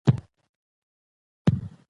که نجونې ښوونځي ته نه ځي، کورني شخړې ډېرېږي.